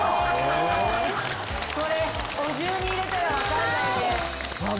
これお重に入れたら分かんないね。